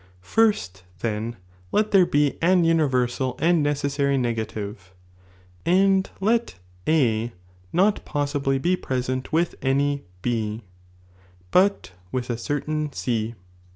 "* First, (hen, let there be an universal and necessary wMet, vnrdi negative, and let A not possibly be present with BeV[,™'ijS^ any B, bat with a certain C.